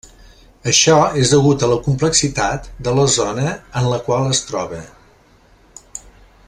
Això és degut a la complexitat de la zona en la qual es troba.